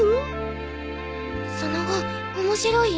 その本面白い？